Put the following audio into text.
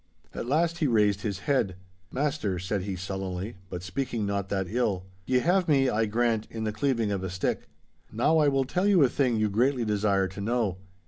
At last he raised his head. 'Master,' said he, sullenly, but speaking not that ill, 'ye have me, I grant, in the cleaving of a stick. Now I will tell you a thing you greatly desire to know.